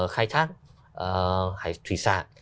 khai thác hay thủy sản